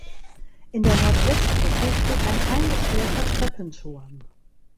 In der Nordwestecke steht ein eingestellter Treppenturm.